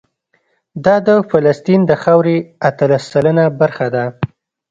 دا د فلسطین د خاورې اتلس سلنه برخه ده.